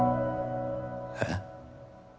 えっ？